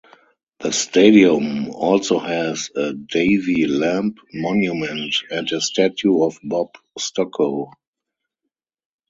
The stadium also has a Davy lamp monument, and a statue of Bob Stokoe.